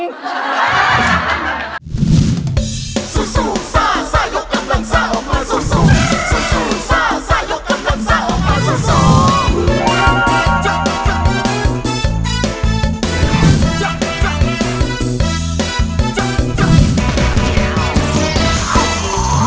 สู้สู้ส่าส่ายกกำลังส่าออกกันสู้สู้